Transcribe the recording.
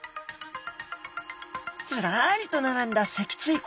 ずらりと並んだ脊椎骨。